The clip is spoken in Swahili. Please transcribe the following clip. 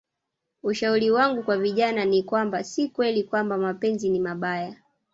Ushauri wangu kwa vijana ni kwamba si kweli kwamba mapenzi ni mabaya